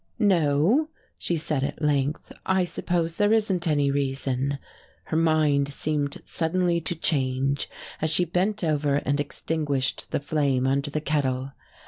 "No," she said at length, "I suppose there isn't any reason." Her mood seemed suddenly to change as she bent over and extinguished the flame under the kettle.